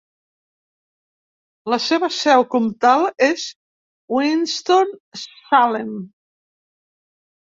La seva seu comtal és Winston-Salem.